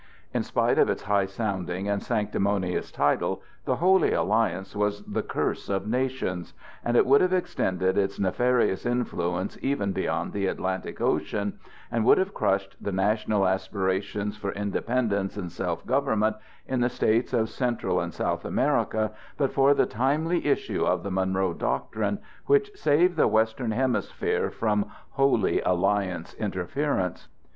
In spite of its high sounding and sanctimonious title, the Holy Alliance was the curse of nations, and it would have extended its nefarious influence even beyond the Atlantic Ocean, and would have crushed the national aspirations for independence and self government in the states of Central and South America but for the timely issue of the Monroe Doctrine, which saved the Western hemisphere from "Holy Alliance" interference.